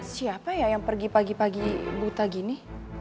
siapa ya yang pergi pagi pagi buta gini